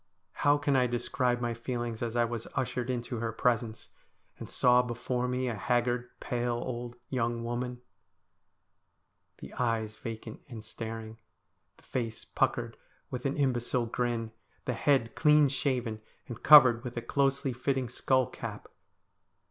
How can I describe my feelings as I was ushered into her presence, and saw before me a haggard, pale, old young woman ? The eyes vacant and staring, the face puckered with an imbecile grin ; the head clean shaven and covered with a closely fitting skull cap.